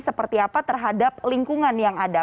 seperti apa terhadap lingkungan yang ada